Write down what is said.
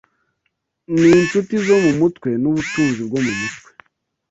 N'inshuti zo mu mutwe, n'ubutunzi bwo mu mutwe